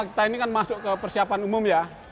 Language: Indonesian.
kita ini kan masuk ke persiapan umum ya